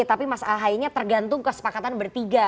tapi mas ahy nya tergantung kesepakatan bertiga